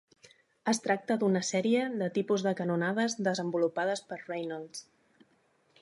Es tracta d'un d'una sèrie de tipus de canonades desenvolupades per Reynolds.